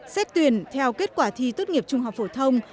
xét tuyển theo kết quả thi tốt nghiệp trung học phổ thông